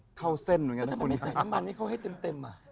แล้วทำไมใส่น้ำมันให้เค้าให้เต็มอะ